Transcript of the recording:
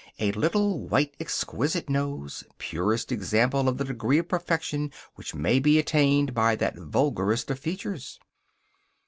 A little, white, exquisite nose, purest example of the degree of perfection which may be attained by that vulgarest of features.